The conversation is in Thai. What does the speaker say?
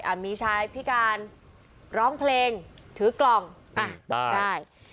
มีชายพิการร้องเพลงถือกล่องอ่ะได้